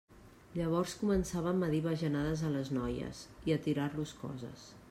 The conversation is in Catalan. Llavors començàvem a dir bajanades a les noies i a tirar-los coses.